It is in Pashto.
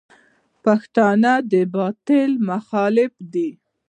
پښتون د باطل مخالف دی.